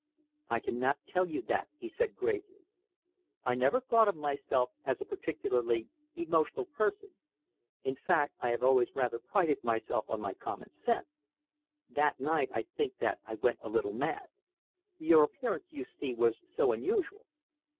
"I cannot tell you that," he said gravely. "I never thought of myself as a particularly emotional person. In fact, I have always rather prided myself on my common sense. That night I think that I went a little mad. Your appearance, you see, was so unusual."